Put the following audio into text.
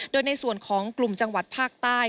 โดยในส่วนของกลุ่มจังหวัดภาคใต้